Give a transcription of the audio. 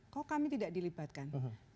kok kami tidak dilibatkan